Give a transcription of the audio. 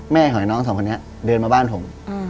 แม่ของไอ้น้องสองคนนี้เดินมาบ้านผม